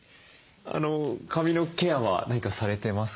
髪のケアは何かされてますか？